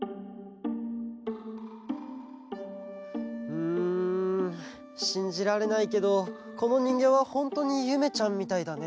うんしんじられないけどこのにんぎょうはホントにゆめちゃんみたいだね。